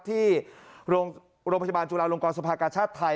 ที่โรงพยาบาลจุฬาลงกรสภากาชาติไทย